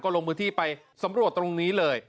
ลงพื้นที่ไปสำรวจตรงนี้เลย